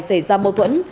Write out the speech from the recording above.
xảy ra bầu thuẫn